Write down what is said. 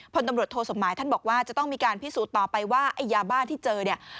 พลตำรวจโทสมหมายท่านบอกว่าจะต้องมีการพิสูจน์ต่อไปว่าไอ้ยาบ้าที่เจอเนี่ย